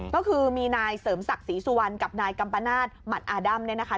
ก็คือมีนายเสริมศักดิ์ศรีสุวรรณกับนายกัมปนาศหมัดอาดั้มเนี่ยนะคะ